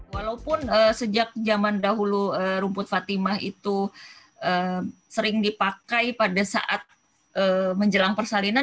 walaupun sejak zaman dahulu rumput fatimah itu sering dipakai pada saat menjelang persalinan